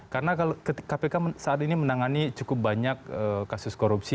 karena kpk saat ini menangani cukup banyak kasus korupsi